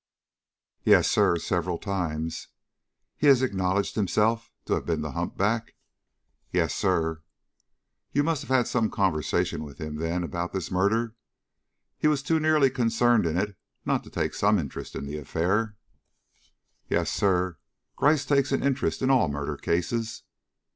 "Yes, sir; several times." "And he acknowledged himself to have been the humpback?" "Yes, sir." "You must have had some conversation with him, then, about this murder? He was too nearly concerned in it not to take some interest in the affair?" "Yes, sir; Gryce takes an interest in all murder cases."